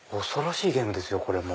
恐ろしいゲームですよ。